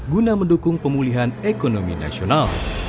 guna mendukung pemulihan ekonomi nasional